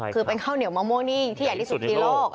คือเป็นข้าวเหนียวมะม่วงนี่ที่ใหญ่ที่สุดในโลก